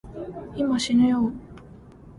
今、しぬよぉ